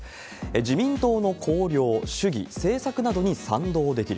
自民党の綱領、主義、政策などに賛同できる。